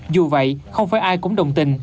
dù vậy không phải ai cũng đồng tình